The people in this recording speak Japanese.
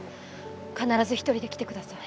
必ず１人で来てください。